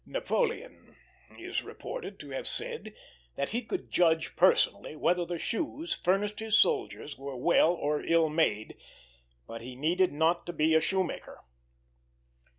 Napoleon is reported to have said that he could judge personally whether the shoes furnished his soldiers were well or ill made; but he needed not to be a shoemaker.